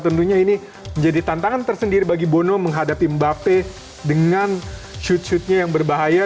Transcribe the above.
tentunya ini menjadi tantangan tersendiri bagi bono menghadapi mbappe dengan shoot shootnya yang berbahaya